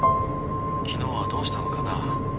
昨日はどうしたのかな？